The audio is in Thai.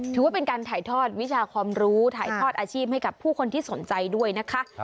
ถือว่าเป็นการถ่ายทอดวิชาความรู้ถ่ายทอดอาชีพให้กับผู้คนที่สนใจด้วยนะคะ